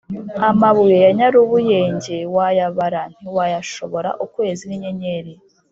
Amabuye ya Nyarubuyenge wayabara ntiwayashobora-Ukwezi n'inyenyeri.